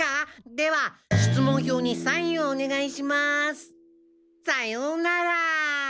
では出門票にサインをおねがいします。さようなら。